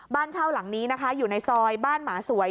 บ้านเช่าหลังนี้นะคะอยู่ในซอยบ้านหมาสวย